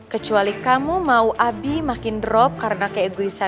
kecuali kamu mau abi makin drop karena keeguisan kamu